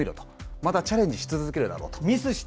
またチャレンジし続けるだろうと。